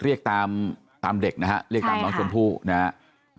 เรียกตามตามเด็กนะฮะเรียกตามน้องชมพู่นะครับ